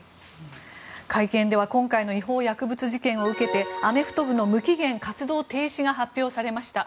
会見では今回の違法薬物事件を受けてアメフト部の無期限活動停止が発表されました。